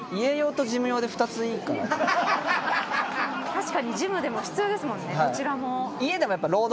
確かにジムでも必要ですもんね。